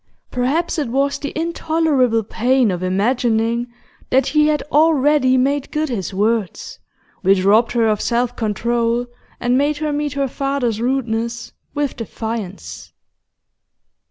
Perhaps it was the intolerable pain of imagining that he had already made good his words, which robbed her of self control and made her meet her father's rudeness with defiance.